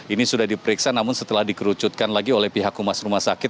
ini sudah diperiksa namun setelah dikerucutkan lagi oleh pihak rumah sakit